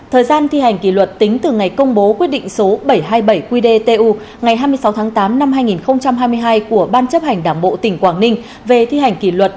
thời gian thi hành kỷ luật tính từ ngày công bố quyết định số bảy trăm hai mươi bảy qdtu ngày hai mươi sáu tháng tám năm hai nghìn hai mươi hai của ban chấp hành đảng bộ tỉnh quảng ninh về thi hành kỷ luật